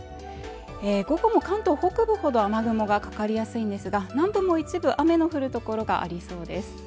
午後も関東北部ほど雨雲がかかりやすいんですが、南部も一部雨の降るところがありそうです。